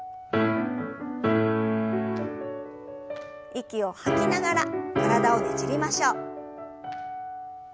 息を吐きながら体をねじりましょう。